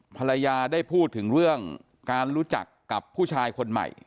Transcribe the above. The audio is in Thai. ภรรยาได้พูดถึงเรื่องการรู้จักกับผู้ชายคนใหม่